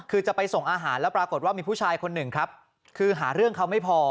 คือจะไปส่งอาหารแล้วปรากฏว่ามีผู้ชายคนหนึ่งครับคือหาเรื่องเขาไม่พอ